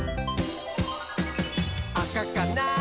「あかかな？